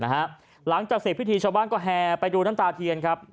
หลังจากเสร็จพิธีชาวบ้านก็แห่ไปดูน้ำตาเทียนครับ